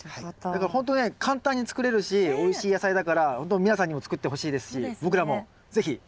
ほんとね簡単に作れるしおいしい野菜だから皆さんにも作ってほしいですし僕らも是非成功させましょう。